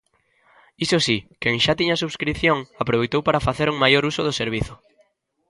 Iso si, quen xa tiña subscrición aproveitou para "facer un maior uso do servizo".